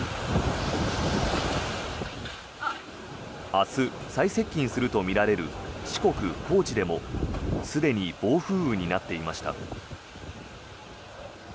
明日、最接近するとみられる四国・高知でもすでに暴風雨になっていました。